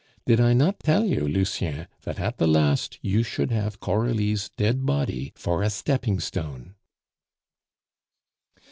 Did I not tell you, Lucien, that at the last you should have Coralie's dead body for a stepping stone?"